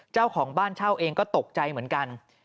เจ้าของบ้านเช่าเองก็ตกใจเหมือนกัน